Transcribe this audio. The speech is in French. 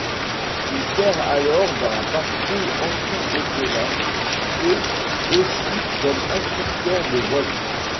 Il sert alors dans la patrouille anti-Zeppelin, et aussi comme instructeur de vol.